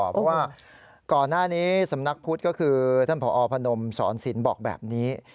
เพราะว่าก่อนหน้านี้สำนักพุทธก็คือท่านผอพนมสอนศิลป์บอกแบบนี้